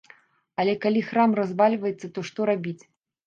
Але калі храм развальваецца, то што рабіць.